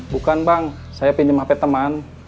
bukan bang saya pinjem hp teman